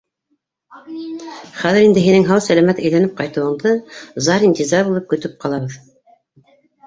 Хәҙер инде һинең һау-сәләмәт әйләнеп ҡайтыуыңды зар-интизар булып көтөп ҡалабыҙ.